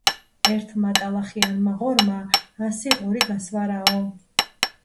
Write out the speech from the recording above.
ერთმა ტალახიანმა ღორმა ასი ღორი გასვარაო.